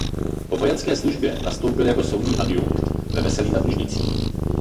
Po vojenské službě nastoupil jako soudní adjunkt ve Veselí nad Lužnicí.